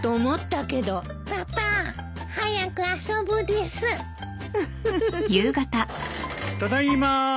ただいま。